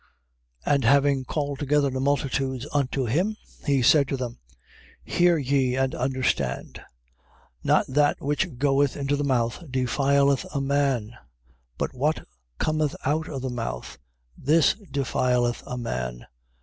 And having called together the multitudes unto him, he said to them: Hear ye and understand. 15:11. Not that which goeth into the mouth defileth a man: but what cometh out of the mouth, this defileth a man.